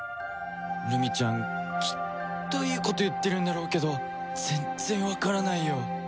ルミちゃんきっといいこと言ってるんだろうけど全然わからないよ